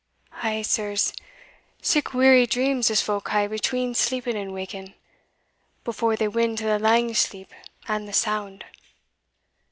Eh, sirs; sic weary dreams as folk hae between sleeping and waking, before they win to the lang sleep and the sound!